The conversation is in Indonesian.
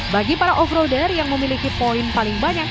bagi para off roader yang memiliki poin paling banyak